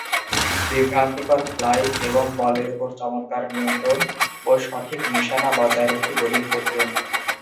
বিভ্রান্তিকর ফ্লাইট এবং বলের উপর চমৎকার নিয়ন্ত্রণ ও সঠিক নিশানা বজায় রেখে বোলিং করতেন।